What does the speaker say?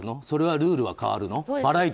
それはルールは変わるの？